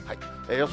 予想